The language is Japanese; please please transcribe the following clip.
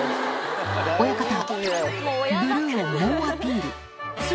親方、ブルーを猛アピール。